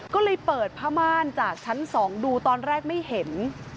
ก็เลยเปิดผ้าม่านจากชั้น๒ดูตอนแรกไม่เห็น